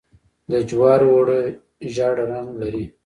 د جوارو اوړه ژیړ رنګ لري.